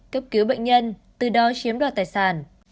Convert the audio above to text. cấp cứu bệnh nhân từ đó chiếm đoạt tài sản